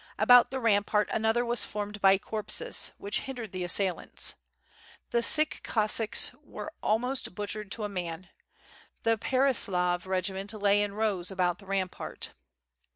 About tRe rampart another was formed by corpses, which hindered the assailants. The Sich Cossacks were al most butchered to a man, the Pereyaslav regiment lay in rows about the rampart.